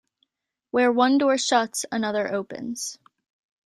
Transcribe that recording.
Where one door shuts, another opens.